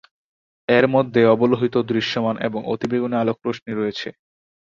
এর মধ্যে অবলোহিত, দৃশ্যমান, এবং অতিবেগুনী আলোক রশ্মি রয়েছে।